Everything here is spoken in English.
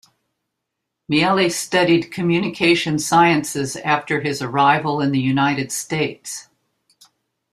Meili studied communication sciences after his arrival in the United States.